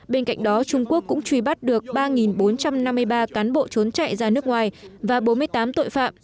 bên cạnh đó trung quốc cũng truy bắt được ba bốn trăm năm mươi ba cán bộ trốn chạy ra nước ngoài và bốn mươi tám tội phạm